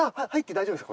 大丈夫です。